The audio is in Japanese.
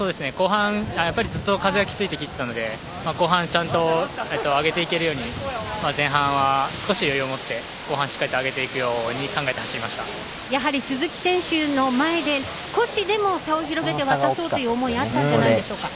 ずっと風がきついと聞いていたので後半ちゃんと上げていけるように前半は、少し余裕を持って後半、しっかり上げていけるようやはり鈴木選手の前で少しでも差を広げて渡そうという思いがあったんじゃないでしょうか。